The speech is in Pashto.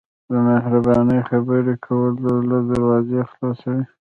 د مهربانۍ خبرې کول د زړه دروازې خلاصوي.